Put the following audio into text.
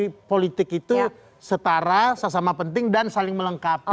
jadi komunikasi politik itu setara sama sama penting dan saling melengkapi